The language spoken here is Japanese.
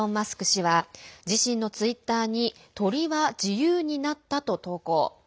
氏は自身のツイッターに鳥は自由になったと投稿。